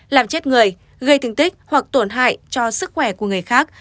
làm chết người gây thương tích hoặc tổn hại cho sức khỏe của người khác